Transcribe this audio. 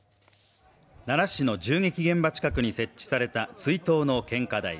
奈良市の銃撃現場近くに設置された追悼の献花台。